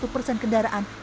yang meninggal dari jakarta